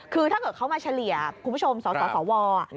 คือถ้าเกิดเขามาเฉลี่ยคุณผู้ชมสสว